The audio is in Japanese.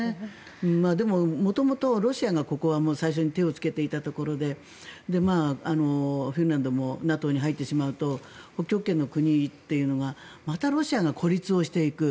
でも元々、ロシアがここは最初に手をつけていたところでフィンランドもＮＡＴＯに入ってしまうと北極圏の国というのがまたロシアが孤立していく。